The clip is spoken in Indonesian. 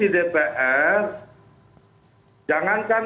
dari situlah kemudian pak kaporri mengungkap kasus ini